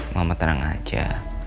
mama tenang aja